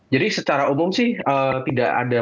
jadi secara umum sih tidak ada